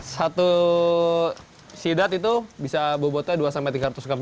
satu sidap itu bisa bobotnya dua tiga ratus gram